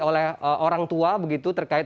oleh orang tua begitu terkait